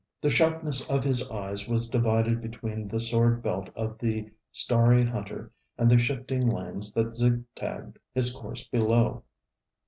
The sharpness of his eyes was divided between the sword belt of the starry Hunter and the shifting lanes that zig tagged his course below.